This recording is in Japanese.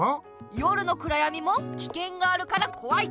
夜のくらやみもきけんがあるからこわい！